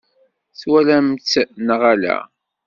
Twalam-tt neɣ ala?